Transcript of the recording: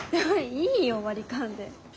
いいよ割り勘で。